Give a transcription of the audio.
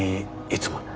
いつもの。